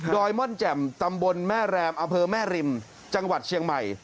ม่อนแจ่มตำบลแม่แรมอำเภอแม่ริมจังหวัดเชียงใหม่